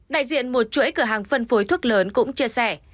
đại diện một chuỗi cửa hàng phân phối thuốc lớn cũng chia sẻ